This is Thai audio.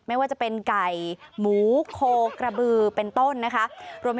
ไม่ว่าจะเป็นไก่หมูโคกระบือเป็นต้นนะคะ